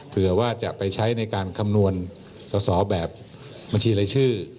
เผื่อว่าจะไปใช้ในการคำนวณสอสอแบบบัญชีรายชื่อ